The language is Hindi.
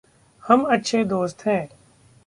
हम अच्छे दोस्त हैं।